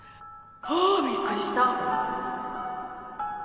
ああびっくりした